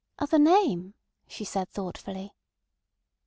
"Other name?" she said thoughtfully.